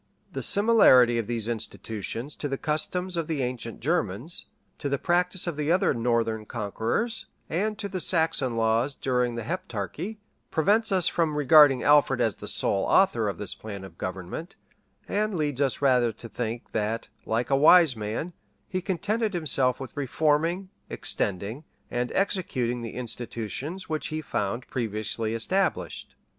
] The similarity of these institutions to the customs of the ancient Germans, to the practice of the other northern conquerors, and to the Saxon laws during the Heptarchy, prevents us from regarding Alfred as the sole author of this plan of government, and leads us rather to think, that, like a wise man, he contented himself with reforming, extending, and executing the institutions which he found previously established.